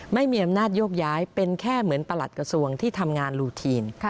ไม่มีอำนาจโยกย้ายเป็นแค่เหมือนประหลัดกระทรวงที่ทำงานลูทีน